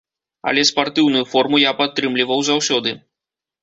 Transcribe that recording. Але спартыўную форму я падтрымліваў заўсёды.